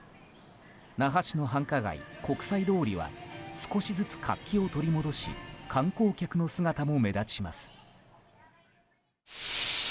那覇市の繁華街、国際通りは少しずつ活気を取り戻し観光客の姿も目立ちます。